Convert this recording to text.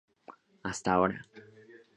Hasta ahora.